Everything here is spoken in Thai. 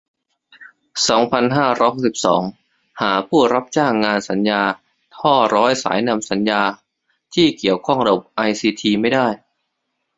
สองพันห้าร้อยหกสิบสอง หาผู้รับจ้างงานสัญญาท่อร้อยสายนำสัญญา ที่เกี่ยวข้องระบบไอซีทีไม่ได้